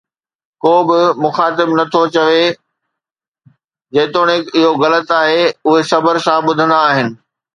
ڪو به مخاطب نه ٿو چوي، جيتوڻيڪ اهو غلط آهي، اهي صبر سان ٻڌندا آهن